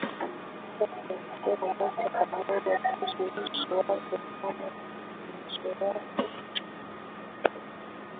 Sasa ukisema moja kwa moja tusi uso wako kama futi uso wako kama mbwa